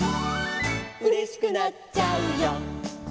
「うれしくなっちゃうよ」